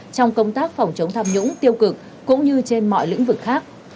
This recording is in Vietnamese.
trong công tác phòng chống tham nhũng tiêu cực cũng như trên mọi lĩnh vực khác